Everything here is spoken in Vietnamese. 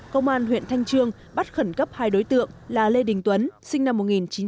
công an huyện thanh trương bắt khẩn cấp hai đối tượng là lê đình tuấn sinh năm một nghìn chín trăm tám mươi